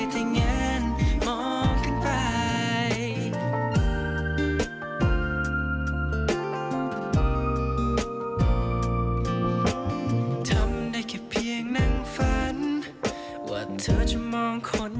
ถ้าเธอจะมองคนอย่างฉัน